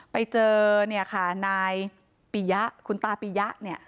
ไปเจอเนี่ยค่ะนายปียะคุณตาปียะเนี่ย